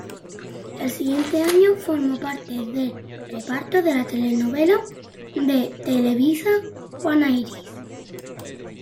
El siguiente año formó parte del reparto de la telenovela de Televisa "Juana Iris".